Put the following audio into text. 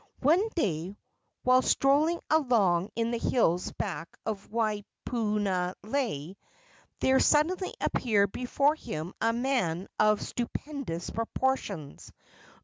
One day, while strolling alone in the hills back of Waipunalei, there suddenly appeared before him a man of stupendous proportions.